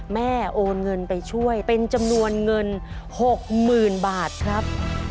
โอนเงินไปช่วยเป็นจำนวนเงิน๖๐๐๐บาทครับ